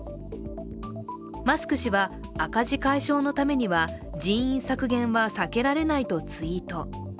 マスク氏は赤字解消のためには人員削減は避けられないとツイート。